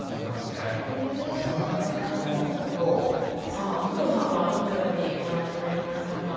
さあ工藤さんはどのようにご覧になりましたか？